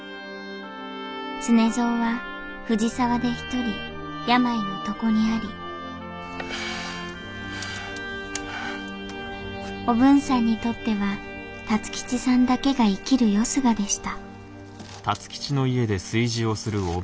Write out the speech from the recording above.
常蔵は藤沢で独り病の床にありおぶんさんにとっては辰吉さんだけが生きるよすがでした